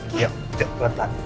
gila udah pelan pelan